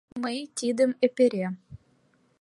Мый тидым эпере